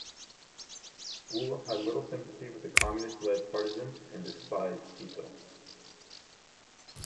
Waugh had little sympathy with the Communist-led Partisans and despised Tito.